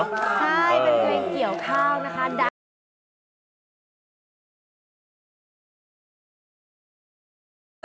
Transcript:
ใช่เป็นเพลงเกี่ยวข้าวนะคะดังมาก